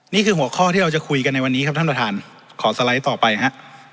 นี่คือหัวข้อที่เราจะคุยกันในวันนี้ครับท่านประธานขอสไลด์ต่อไปฮะ